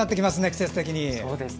季節的に。